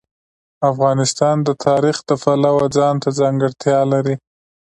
افغانستان د تاریخ د پلوه ځانته ځانګړتیا لري.